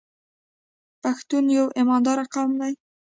پښتون یو ایماندار قوم دی.